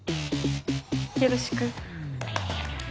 よろしく。